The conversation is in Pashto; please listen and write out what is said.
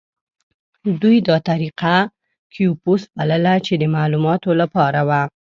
دوی دا طریقه کیوپوس بلله چې د معلوماتو لپاره وه.